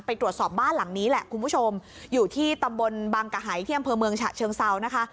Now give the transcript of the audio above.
ไปตรวจสอบบ้านหลังนี้แหละคุณผู้ชมอยู่ที่ตำบลบังกะหายที่อำเภอเมืองฉะเชิงเซานะคะ